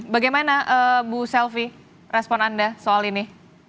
bagaimana bu selvi respon anda soal ini